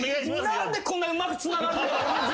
何でこんなうまくつながる。